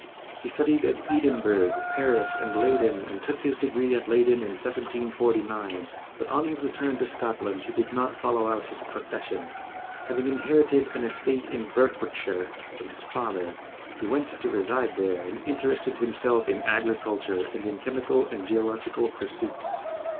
He studied at Edinburgh, Paris and Leyden and took his degree at Leyden in 1749, but on his return to Scotland he did not follow out his profession. Having inherited an estate in Berwickshire from his father, he went to reside there and interested himself in agriculture and in chemical and geological pursuits.